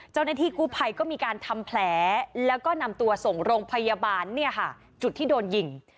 เจ้าหน้าที่กู้ภัยก็มีการทำแผลแล้วก็นำตัวส่งโรงพยาบาลเนี่ยค่ะจุดที่โดนยิง